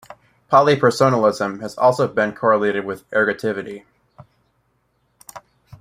Polypersonalism has also been correlated with ergativity.